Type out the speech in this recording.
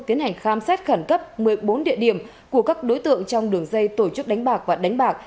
tiến hành khám xét khẩn cấp một mươi bốn địa điểm của các đối tượng trong đường dây tổ chức đánh bạc và đánh bạc